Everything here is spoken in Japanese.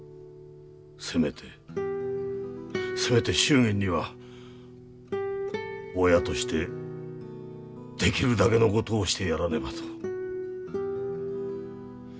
せめてせめて祝言には親としてできるだけの事をしてやらねばと。